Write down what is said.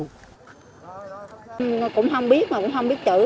cũng không biết cũng không biết chữ